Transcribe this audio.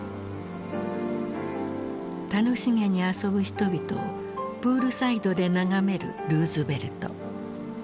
楽しげに遊ぶ人々をプールサイドで眺めるルーズベルト。